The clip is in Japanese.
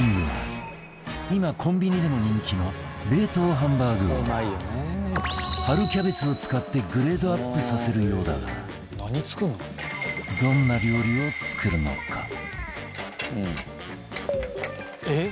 今コンビニでも人気の冷凍ハンバーグを春キャベツを使ってグレードアップさせるようだがどんな料理を作るのか？